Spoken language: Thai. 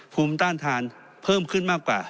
ภูมิต้านทานเพิ่มขึ้นมากกว่า